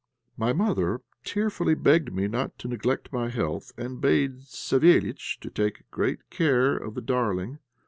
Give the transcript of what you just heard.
'" My mother tearfully begged me not to neglect my health, and bade Savéliitch take great care of the darling.